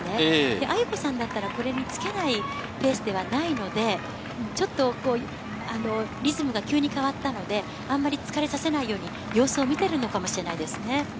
亜由子さんだったら、これにつけないペースではないので、ちょっとリズムが急に変わったので、あまり疲れさせないように様子を見てるのかもしれないですね。